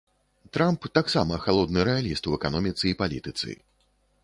Трамп таксама халодны рэаліст у эканоміцы і палітыцы.